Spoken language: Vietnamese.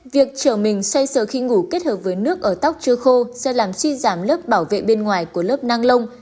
việc chở mình xoay sở khi ngủ kết hợp với nước ở tóc chưa khô sẽ làm suy giảm lớp bảo vệ bên ngoài của lớp năng lông